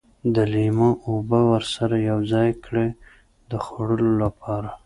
د لیمو اوبه ورسره یوځای کړي د خوړلو لپاره.